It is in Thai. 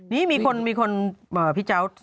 นี่มีคนมีคนพี่เจ้า